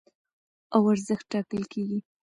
او ارزښت ټاکل کېږي.